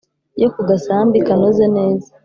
yo ku gasambi kanoze neza